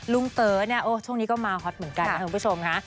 เต๋อเนี่ยช่วงนี้ก็มาฮอตเหมือนกันนะคุณผู้ชมค่ะ